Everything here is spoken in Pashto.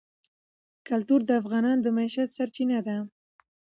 کلتور د افغانانو د معیشت سرچینه ده.